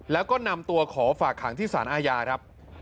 แล้วก็นำตัวขอฝากขังที่สารอาญาครับ